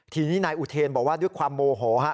ทีนี้นายอุเทนบอกว่าด้วยความโมโหฮะ